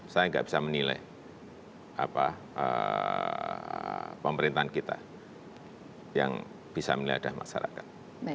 saya nggak bisa menilai pemerintahan kita yang bisa menilai ada masyarakat